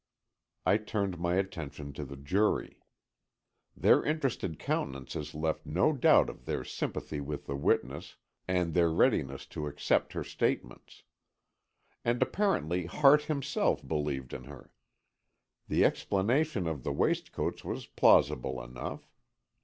I turned my attention to the jury. Their interested countenances left no doubt of their sympathy with the witness and their readiness to accept her statements. And apparently Hart himself believed in her. The explanation of the waistcoats was plausible enough.